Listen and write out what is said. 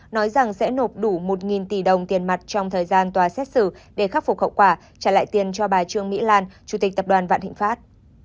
nói rằng sẽ nộp đủ một tỷ đồng tiền mặt trong thời gian tòa xét xử để khắc phục hậu quả trả lại tiền cho bà trương mỹ lan chủ tịch tập đoàn vạn thịnh pháp